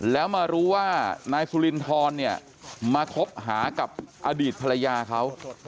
แล้วมารู้ว่านายสุรินทรเนี่ยมาคบหากับอดีตภรรยาเขา